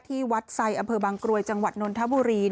ที่วัดไซดอำเภอบางกรวยจังหวัดนนทบุรี